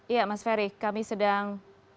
iya mas ferry kami sedang